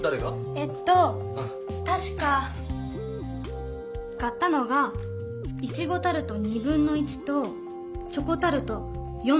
えっとたしか買ったのがイチゴタルト1/2とチョコタルト1/4。